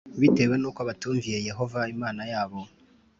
Bitewe n uko batumviyeo yehova imana yabo